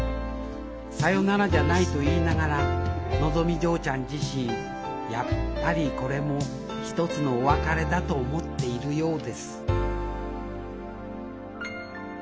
さよならじゃないと言いながらのぞみ嬢ちゃん自身「やっぱりこれも一つのお別れだ」と思っているようです